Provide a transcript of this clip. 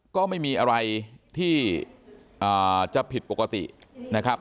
ก็ไม่มีอะไรที่จะผิดปกตินะครับ